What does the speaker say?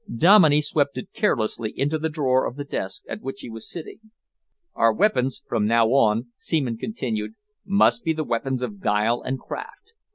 Dominey swept it carelessly into the drawer of the desk at which he was sitting. "Our weapons, from now on," Seaman continued, "must be the weapons of guile and craft.